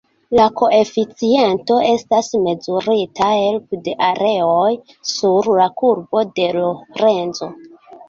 La koeficiento estas mezurita helpe de areoj sur la Kurbo de Lorenzo.